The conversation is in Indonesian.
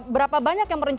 berapa banyak yang berencana